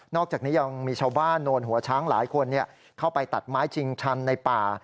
อกจากนี้ยังมีชาวบ้านโนนหัวช้างหลายคนเข้าไปตัดไม้ชิงชันในป่า